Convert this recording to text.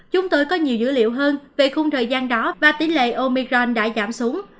chúng tôi có nhiều dữ liệu hơn về khung thời gian đó và tỷ lệ omicron đã giảm xuống